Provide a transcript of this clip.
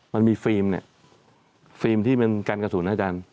มันมีฟิล์มเนี่ยฟิล์มที่เป็นการกระสุนนะอาจารย์